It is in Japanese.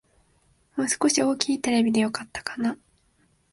もう少し大きいテレビでよかったかな